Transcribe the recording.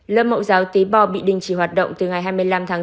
lớp mẫu giáo tế bò bị đình chỉ hoạt động từ ngày hai mươi năm tháng bốn